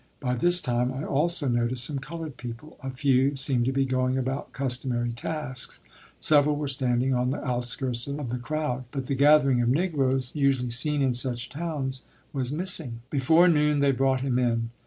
By this time I also noticed some colored people; a few seemed to be going about customary tasks; several were standing on the outskirts of the crowd; but the gathering of Negroes usually seen in such towns was missing. Before noon they brought him in.